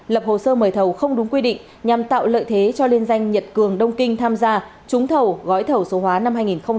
lập hồ sơ mời thầu không đúng quy định nhằm tạo lợi thế cho liên danh nhật cường đông kinh tham gia trúng thầu gói thầu số hóa năm hai nghìn một mươi chín